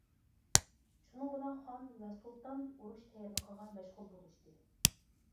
شۇنىڭ بىلەن خان ۋە سۇلتان ئۇرۇش تەييارلىقىغا مەشغۇل بولۇشتى.